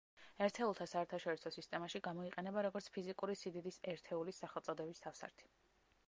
ერთეულთა საერთაშორისო სისტემაში გამოიყენება, როგორც ფიზიკური სიდიდის ერთეულის სახელწოდების თავსართი.